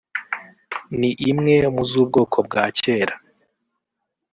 ni imwe mu z’ubwoko bwa kera